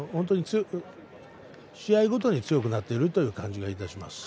試合ごとに強くなっている感じがいたします。